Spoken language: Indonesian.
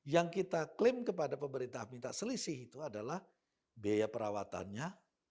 yang kita klaim kepada pemerintah minta selisih itu adalah biaya perawatannya